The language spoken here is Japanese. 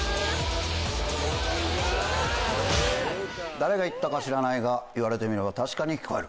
誰が言ったか知らないが言われてみれば確かに聞こえる。